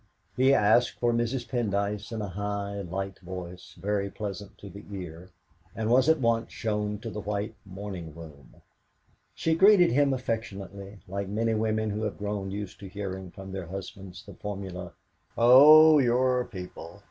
He asked for Mrs. Pendyce in a high, light voice, very pleasant to the ear, and was at once shown to the white morning room. She greeted him affectionately, like many women who have grown used to hearing from their husbands the formula "Oh! your people!"